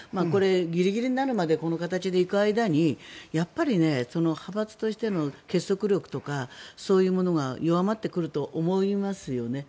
ギリギリになるまでこの形で行く間にやっぱり派閥としての結束力とかそういうものが弱まってくると思いますよね。